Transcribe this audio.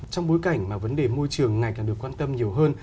trong bối cảnh mà vấn đề môi trường ngày càng được quan tâm nhiều hơn